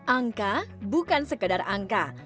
angka bukan sekedar angka